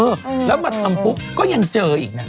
แล้วมาทำปุ๊บก็ยังเจออีกนะ